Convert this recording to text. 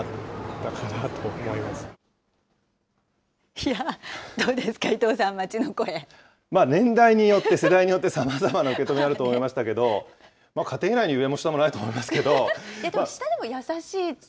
いや、どうですか、年代によって、世代によって、さまざまな受け止め、あると思いましたけど、家庭内に上も下もな下でも優しいって。